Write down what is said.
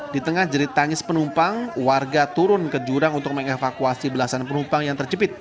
di tengah jerit tangis penumpang warga turun ke jurang untuk mengevakuasi belasan penumpang yang tercepit